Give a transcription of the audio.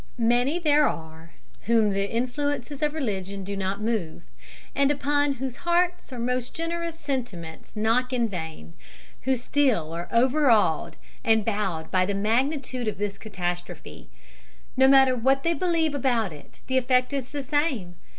Many there are whom the influences of religion do not move, and upon whose hearts most generous sentiments knock in vain, who still are overawed and bowed by the magnitude of this catastrophe. No matter what they believe about it, the effect is the same.